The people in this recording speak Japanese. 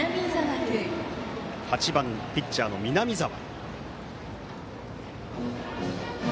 ８番、ピッチャーの南澤。